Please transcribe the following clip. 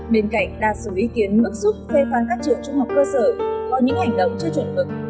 bên cạnh đa số ý kiến bức xúc phê phán các trường trung học cơ sở có những hành động chưa chuẩn mực